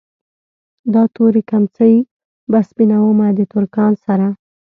دا تورې کمڅۍ به سپينومه د ترکان سره